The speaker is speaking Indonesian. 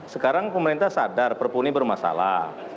sekarang pemerintah sadar perpuni bermasalah